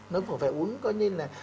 nó cũng phải uống coi như là